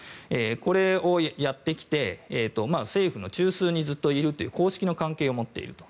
これをやってきて政府の中枢にずっといるという公式の関係を持っている。